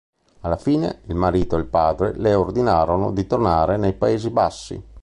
Alla fine, il marito e il padre le ordinarono di tornare nei Paesi Bassi.